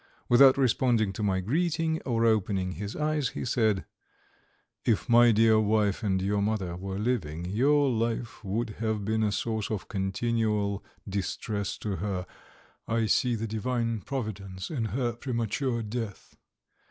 Without responding to my greeting or opening his eyes, he said: "If my dear wife and your mother were living, your life would have been a source of continual distress to her. I see the Divine Providence in her premature death.